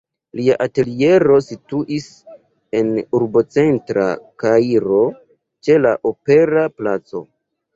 Lia ateliero situis en urbocentra Kairo, ĉe la opera placo.